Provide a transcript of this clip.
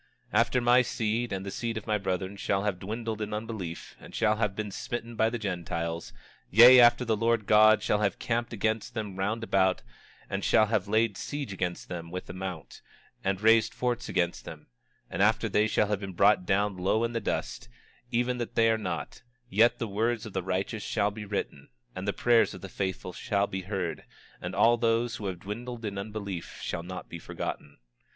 26:15 After my seed and the seed of my brethren shall have dwindled in unbelief, and shall have been smitten by the Gentiles; yea, after the Lord God shall have camped against them round about, and shall have laid siege against them with a mount, and raised forts against them; and after they shall have been brought down low in the dust, even that they are not, yet the words of the righteous shall be written, and the prayers of the faithful shall be heard, and all those who have dwindled in unbelief shall not be forgotten.